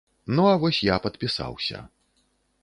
Ну а вось я падпісаўся.